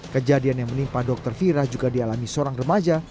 kejadian yang menimpa dokter fira juga dialami seorang remaja